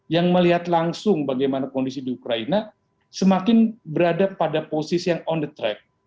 yang melihat langsung bagaimana kondisi di ukraina semakin berada pada posisi yang on the track